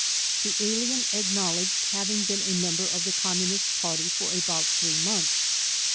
The alien acknowl edged having been a member of the Communist Party for about three months.